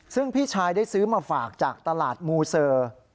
ซึ่งพี่ชายได้ซื้อมาฝากจากตลาดมูเซอร์